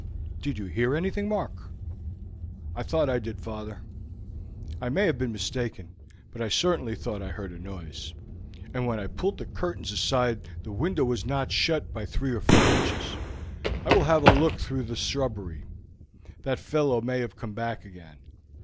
"Did you hear anything, Mark?" "I thought I did, father. I may have been mistaken, but I certainly thought I heard a noise, and when I pulled the curtains aside the window was not shut by three or four inches. I will have a look through the shrubbery. That fellow may have come back again.